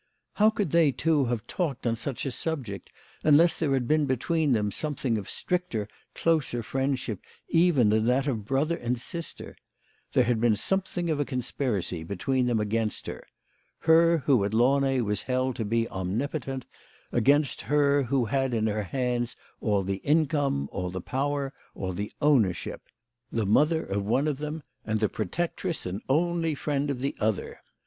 How could they two have talked on such a subject unless there had been between them something of stricter, closer friendship even than that of brother and sister ? There had been something of a conspiracy between them against her her who at Launay was held to be omnipotent, against her who had in her hands all the income, all the power, all the ownership the mother of one of them, and the protectress and only friend of the other